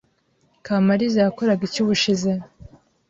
Kamaliza yakoraga iki ubushize?